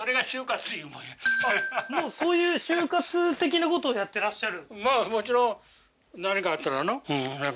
もうそういう終活的なことをやってらっしゃる？